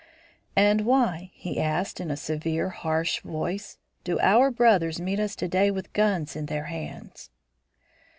"And why," he asked, in a severe, harsh voice, "do our brothers meet us to day with guns in their hands?"